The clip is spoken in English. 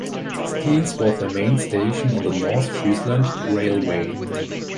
Stiens was the main station on the North Friesland Railway.